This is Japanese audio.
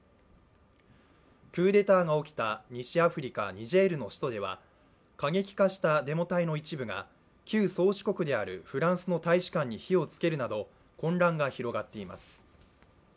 クーデターが起きた西アフリカ・ニジェールの首都では過激化したデモ隊の一部が旧宗主国であるフランスの大使館に火をつけるなど混乱が広がっています。